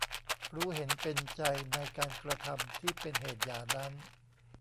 รู้เห็นเป็นใจในการกระทำที่เป็นเหตุหย่านั้น